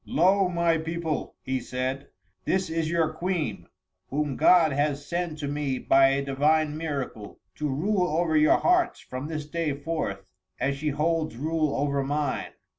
"Lo! my people," he said, "this is your Queen, whom God has sent to me by a divine miracle, to rule over your hearts from this day forth, as she holds rule over mine.